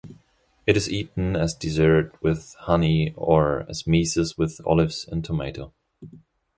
It is eaten as dessert with honey or as mezes with olives and tomato.